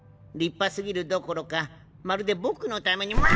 立派すぎるどころかまるで僕のために。